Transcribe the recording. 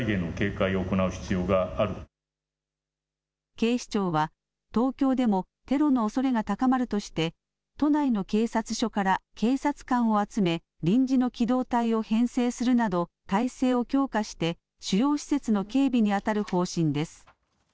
警視庁は東京でもテロのおそれが高まるとして都内の警察署から警察官を集め臨時の機動隊を編制するなど態勢を強化して主要施設の警備にあたる方針です。